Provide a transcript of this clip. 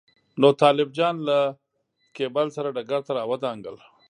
نو طالب جان له کېبل سره ډګر ته راودانګل.